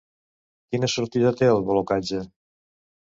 Quina sortida té el blocatge?